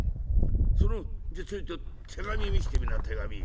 そのじゃあちょいと手紙見してみな手紙」。